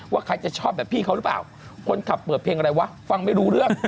ใครจะชอบแบบพี่เขาหรือเปล่าคนขับเปิดเพลงอะไรวะฟังไม่รู้เรื่อง